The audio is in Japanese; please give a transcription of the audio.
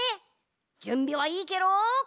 じゅんびはいいケロ？